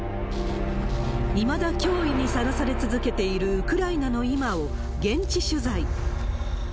いまだ脅威にさらされ続けているウクライナの今を現地取材。